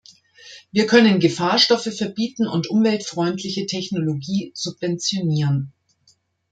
Wir können Gefahrstoffe verbieten und umweltfreundliche Technologie subventionieren.